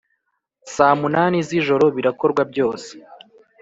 Saa munani z ijoro birakorwa byose